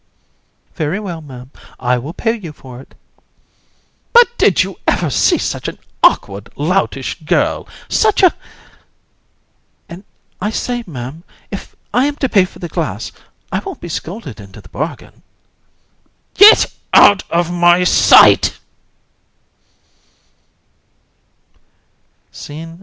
AND. Very well, Ma'am, I will pay you for it. COUN. But did you ever see such an awkward loutish girl? such a ... AND. I say, Ma'am, if I am to pay for the glass, I won't be scolded into the bargain. COUN. Get out of my sight.